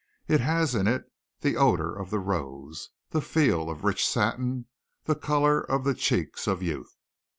It has in it the odour of the rose, the feel of rich satin, the color of the cheeks of youth.